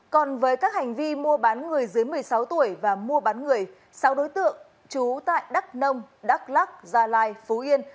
còn với các hành vi mua bán người dưới một mươi sáu tuổi và mua bán người sáu đối tượng trú tại đắk nông đắk lắc gia lai phú yên